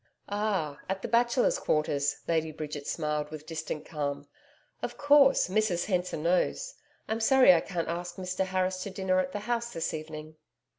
'Ah! at the Bachelors' Quarters,' Lady Bridget smiled with distant calm. 'Of course, Mrs Hensor knows. I'm sorry I can't ask Mr Harris to dinner at the house this evening.'